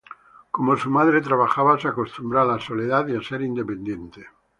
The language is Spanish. Como su madre trabajaba, se acostumbró a la soledad y a ser independiente.